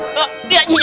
eh pake jam ke lagi